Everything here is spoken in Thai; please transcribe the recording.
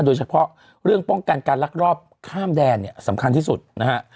โดยเฉพาะเรื่องป้องกันการลักลอบข้ามแดนเนี่ยสำคัญที่สุดนะฮะ